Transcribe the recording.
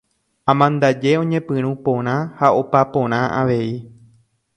Amandaje oñepyrũ porã ha opa porã avei.